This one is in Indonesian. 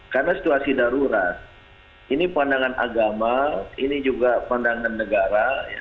karena situasi darurat ini pandangan agama ini juga pandangan negara